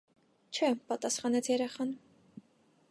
- Չէ, - պատասխանեց երեխան: